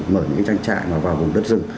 mở những cái trang trại mà vào vùng đất rừng